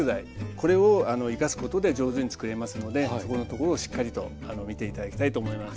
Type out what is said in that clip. これを生かすことで上手につくれますのでそこのところをしっかりと見て頂きたいと思います。